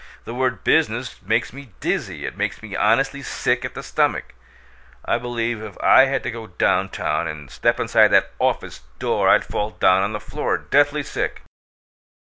The word 'business' makes me dizzy it makes me honestly sick at the stomach. I believe if I had to go down town and step inside that office door I'd fall down on the floor, deathly sick.